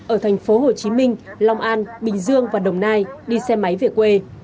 ở thành phố hồ chí minh long an bình dương và đồng nai đi xe máy về quê